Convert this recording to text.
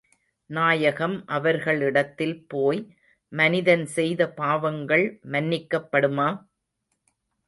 நாயகம் அவர்களிடத்தில் போய், மனிதன் செய்த பாவங்கள் மன்னிக்கப்படுமா?